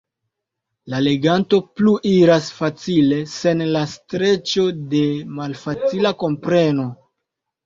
La leganto pluiras facile, sen la streĉo de malfacila kompreno.